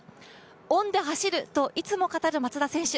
恩で走るといつも語る松田選手。